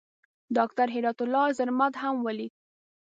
ډاکټر هرات الله زرمت هم ولید.